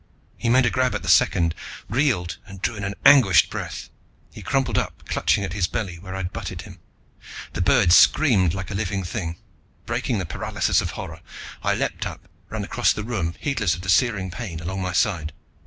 He made a grab at the second, reeled and drew an anguished breath. He crumpled up, clutching at his belly where I'd butted him. The bird screamed like a living thing. Breaking my paralysis of horror I leaped up, ran across the room, heedless of the searing pain along my side.